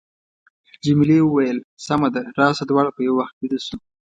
جميلې وويل:، سمه ده، راشه دواړه به یو وخت بېده شو.